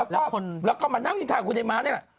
แล้วก็มานั่งยินทากับคุณไอ้ม้าเนี่ย